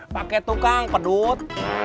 pakai tukang pedut